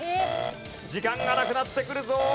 時間がなくなってくるぞ。